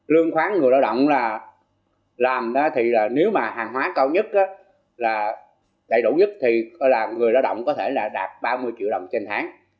lương khoáng người lao động là làm thì nếu mà hàng hóa cao nhất là đầy đủ nhất thì người lao động có thể là đạt ba mươi triệu đồng trên tháng